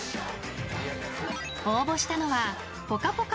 応募したのは「ぽかぽか」